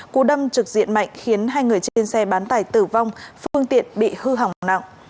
cú đâm trực diện mạnh khiến hai người trên xe bán tải tử vong phương tiện bị hư hỏng nặng